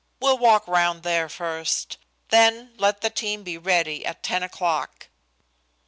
We'll walk round there first. Then let the team be ready at ten o'clock."